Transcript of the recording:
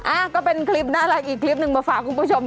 ก็เป็นคลิปน่ารักอีกคลิปหนึ่งมาฝากคุณผู้ชม